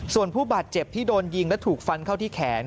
ส่วนผู้บาดเจ็บที่โดนยิงและถูกฟันเข้าที่แขน